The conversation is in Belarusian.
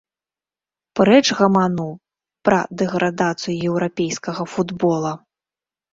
Прэч гаману пра дэградацыю еўрапейскага футбола.